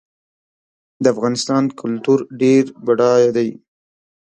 د افغانستان کلتور ډېر بډای دی.